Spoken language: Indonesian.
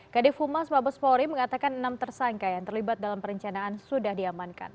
kd fumas babus pori mengatakan enam tersangka yang terlibat dalam perencanaan sudah diamankan